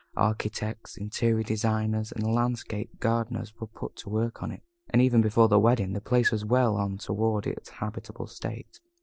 Architects, interior decorators, and landscape gardeners were put to work on it, and, even before the wedding, the place was well on toward its habitable stage.